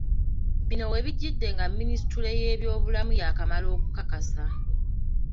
Bino we bijjidde nga Minisitule y’ebyobulamu yaakamala okukakasa